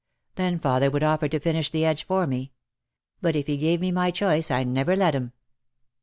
Then father would of fer to finish the edge for me. But if he gave me my choice I never let him.